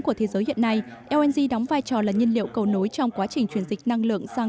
của thế giới hiện nay ong đóng vai trò là nhân liệu cầu nối trong quá trình chuyển dịch năng